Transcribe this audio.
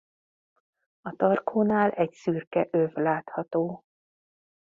A tarkónál egy szürke öv látható.